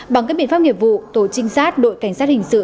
bằng các biện pháp nghiệp vụ tổ trinh sát đội cảnh sát hình sự